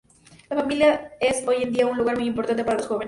La familia es hoy en día un lugar muy importante para los jóvenes.